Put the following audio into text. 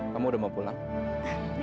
kamu udah mau pulang